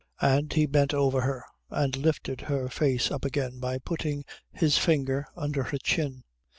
And he bent over her and lifted her face up again by putting his finger under her chin.